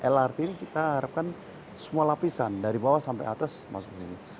lrt ini kita harapkan semua lapisan dari bawah sampai atas masuk ke sini